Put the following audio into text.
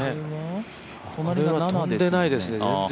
これは飛んでないですね、全然。